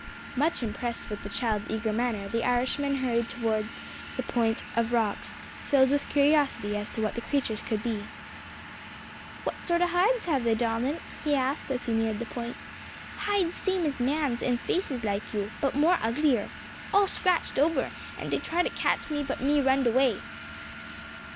Much impressed with the child's eager manner, the Irishman hurried towards the point of rocks, filled with curiosity as to what the creatures could be. "What sort o' hids have they, darlint?" he asked, as he neared the point. "Hids same as mans, and faces like you, but more uglier, all scratched over, an' dey try to catch me, but me runned away."